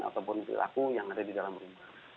ataupun perilaku yang ada di dalam rumah